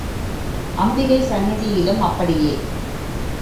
அம்பிகை சந்நிதியிலும் அப்படியே.